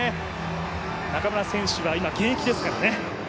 中村選手は今現役ですからね。